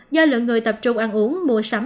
do lượng người tập trung ăn uống mua sắm